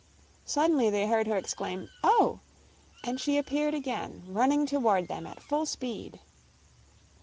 Suddenly they heard her exclaim "Oh!" and she appeared again, running toward them at full speed.